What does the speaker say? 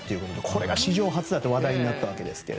これが史上初だと話題になったわけです。